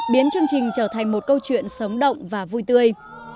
biến chương trình trở thành một câu chuyện sống động và vui tươi